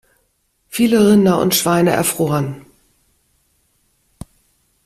Viele Rinder und Schweine erfroren.